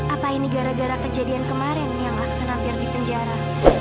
apa ini gara gara kejadian kemarin yang aksen hampir di penjara